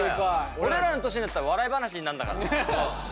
俺らの年になったら笑い話になんだから。